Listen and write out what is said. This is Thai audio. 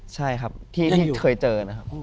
ใช่ครับที่เคยเจอนะครับ